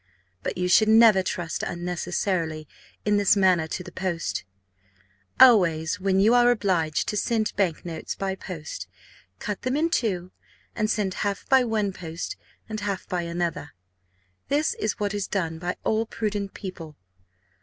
But you should never trust unnecessarily in this manner to the post always, when you are obliged to send bank notes by post, cut them in two, and send half by one post and half by another. This is what is done by all prudent people.